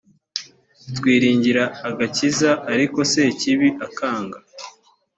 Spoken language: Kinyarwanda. twiringira agakiza ariko sekibi akanga.